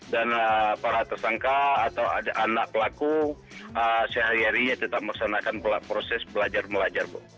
dan para tersangka atau ada anak pelaku sehari harinya tetap meresanakan proses belajar melajar bu